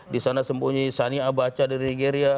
di sana sembunyi sani abacha dari nigeria